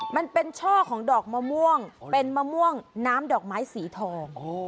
มันเป็นช่อของดอกมะม่วงเป็นมะม่วงน้ำดอกไม้สีทอง